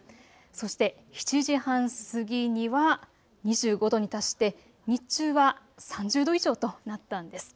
そして７時半過ぎには２５度に達して日中は３０度以上となったんです。